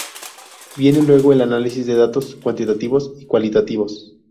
Viene luego el análisis de datos cuantitativos y cualitativos.